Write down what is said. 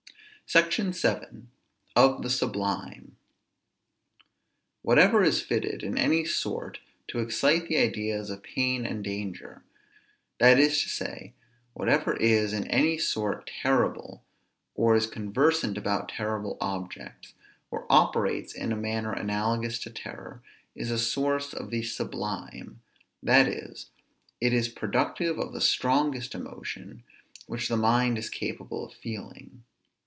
SECTION VII. OF THE SUBLIME. Whatever is fitted in any sort to excite the ideas of pain and danger, that is to say, whatever is in any sort terrible, or is conversant about terrible objects, or operates in a manner analogous to terror, is a source of the sublime; that is, it is productive of the strongest emotion which the mind is capable of feeling.